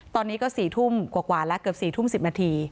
ตอนนี้ก็สี่ทุ่มกว่ากว่าแล้วเกือบสี่ทุ่มสิบนาที